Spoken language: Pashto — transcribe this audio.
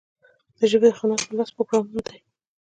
د ژبې خدمت په لوست پروګرامونو دی.